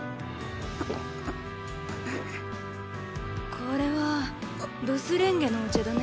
これはブスレンゲのお茶だね。